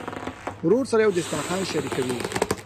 ورور سره یو دسترخوان شریک وي.